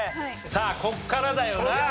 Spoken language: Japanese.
さあここからだよな。